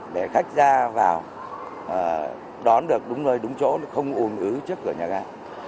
để khách ra vào đón được đúng nơi đúng chỗ không uồn ứ trước cửa nhà gác